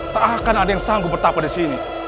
tak akan ada yang sanggup betapa di sini